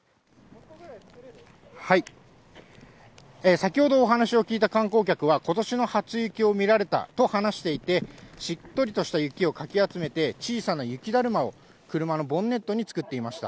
先ほどお話を聞いた観光客は、ことしの初雪を見られたと話していて、しっとりとした雪をかき集めて、小さな雪だるまを、車のボンネットに作っていました。